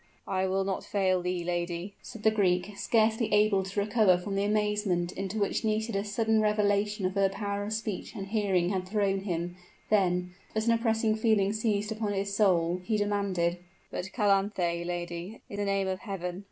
"I will not fail thee, lady," said the Greek, scarcely able to recover from the amazement into which Nisida's sudden revelation of her power of speech and hearing had thrown him: then, as an oppressive feeling seized upon his soul, he demanded, "But Calanthe, lady, in the name of heaven!